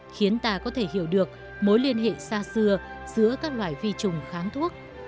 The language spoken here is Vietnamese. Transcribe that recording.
khiến ta có thể hiểu được mối liên hệ xa xưa giữa các loại vi trùng kháng thuốc